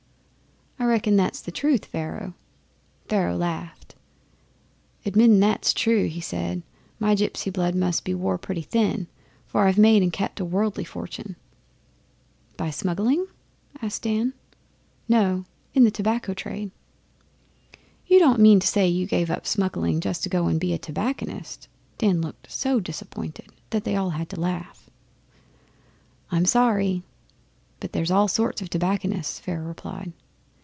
I reckon that's truth, Pharaoh.' Pharaoh laughed. 'Admettin' that's true,' he said, 'my gipsy blood must be wore pretty thin, for I've made and kept a worldly fortune.' 'By smuggling?' Dan asked. 'No, in the tobacco trade.' 'You don't mean to say you gave up smuggling just to go and be a tobacconist!' Dan looked so disappointed they all had to laugh. 'I'm sorry; but there's all sorts of tobacconists,' Pharaoh replied.